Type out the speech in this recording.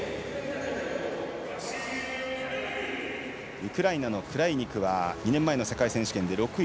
ウクライナのクライニクは２年前の世界選手権で６位。